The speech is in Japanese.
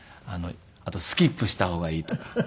あと「スキップした方がいい」とか。